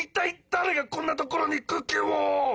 一体誰がこんなところにクッキーを！